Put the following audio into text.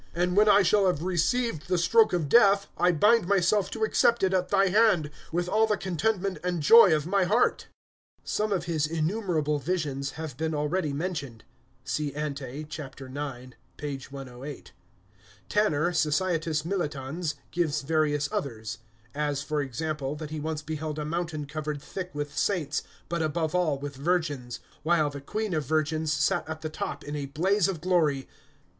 "and when I shall have received the stroke of death, I bind myself to accept it at Thy hand, with all the contentment and joy of my heart." Some of his innumerable visions have been already mentioned. (See ante, (page 108).) Tanner, Societas Militans, gives various others, as, for example, that he once beheld a mountain covered thick with saints, but above all with virgins, while the Queen of Virgins sat at the top in a blaze of glory.